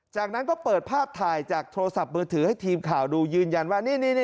จากนั้นก็เปิดภาพถ่ายจากโทรศัพท์มือถือให้ทีมข่าวดูยืนยันว่า